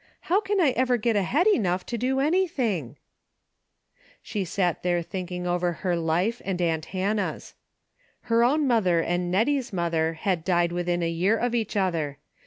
How can I ever get ahead enough to do anything !" She sat there thinking over her life and aunt Hannah's. Her own mother and Het tie's mother had died within a year of each other.